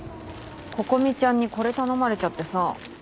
心美ちゃんにこれ頼まれちゃってさ。